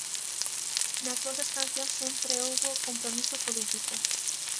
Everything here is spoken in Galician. Nas vosas cancións sempre houbo compromiso político.